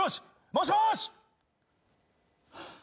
もしもーし！